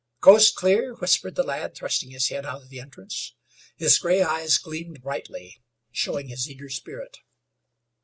"Coast clear?" whispered the lad, thrusting his head out of the entrance. His gray eyes gleamed brightly, showing his eager spirit.